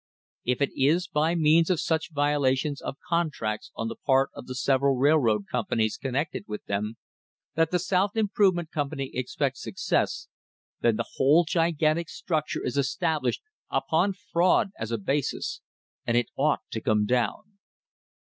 If it is by means of such violations of contracts on the part of the several railroad companies connected with them that the South Improvement Company expects success, then the whole gigantic STRUCTURE IS ESTABLISHED UPON FRAUD AS A BASIS, AND IT OUGHT TO COME DOWN.